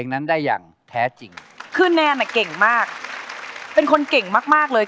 นั้นได้อย่างแท้จริงคือแนนอ่ะเก่งมากเป็นคนเก่งมากมากเลย